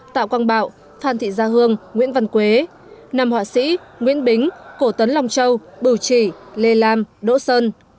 tạo quang bạo phan thị gia hương nguyễn văn quế năm họa sĩ nguyễn bính cổ tấn long châu bù chỉ lê lam đỗ sơn